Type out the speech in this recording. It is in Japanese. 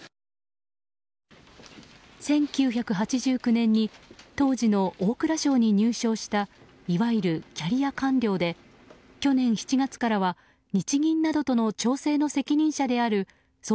１９８９年に当時の大蔵省に入省したいわゆるキャリア官僚で去年７月からは日銀などの調整の責任者である総括